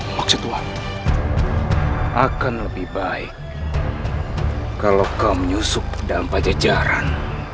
maksudlah akan lebih baik kalau kau menyusup dalam pajajaran